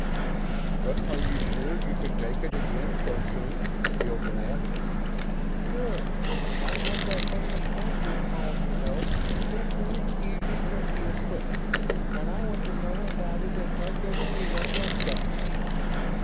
"But are you sure you can take it again so soon?" Hilton asked. "Sure. I'm like that famous gangster's moll, you know, who bruised easy but healed quick. And I want to know about it as much as anyone else does."